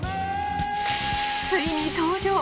ついに登場！